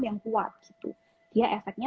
yang kuat dia efeknya